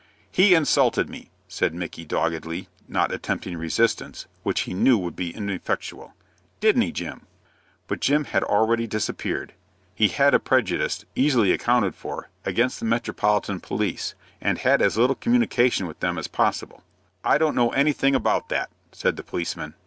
"He insulted me," said Micky, doggedly, not attempting resistance, which he knew would be ineffectual. "Didn't he, Jim?" But Jim had already disappeared. He had a prejudice, easily accounted for, against the metropolitan police, and had as little communication with them as possible. "I don't know anything about that," said the policeman.